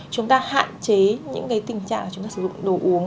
chúng ta hạn chế những cái tình trạng là chúng ta sử dụng đồ uống